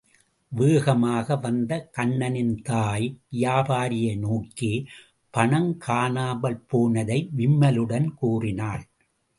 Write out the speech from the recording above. வேகமாக வந்த கண்ணனின் தாய், வியாபாரியை நோக்கி பணம் காணாமல் போனதை விம்மலுடன் கூறினாள்.